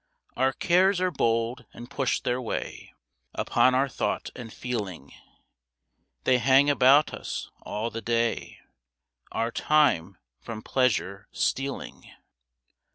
Our cares are bold and push their way Upon our thought and feeling; They hang about us all the day, Our time from pleasure stealing.